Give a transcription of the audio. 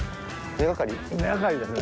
根がかりですね。